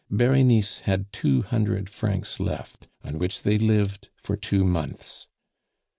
Berenice had two hundred francs left, on which they lived for two months.